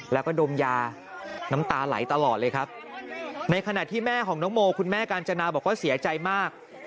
แล้วก็ดมยาน้ำตาไหลตลอดเลยครับในขณะที่แม่ของน้องโมคุณแม่กาญจนาบอกว่าเสียใจมาก